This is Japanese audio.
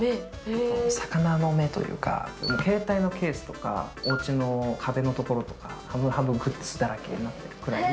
魚の目というか、携帯のケースとかおうちの壁の所とか、ハムハムグッズだらけになっているぐらい。